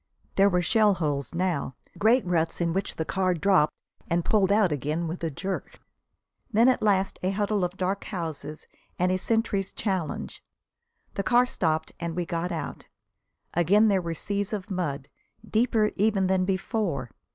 There were shellholes now, great ruts into which the car dropped and pulled out again with a jerk. Then at last a huddle of dark houses and a sentry's challenge. The car stopped and we got out. Again there were seas of mud, deeper even than before.